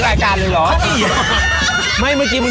เล่าให้ฟัง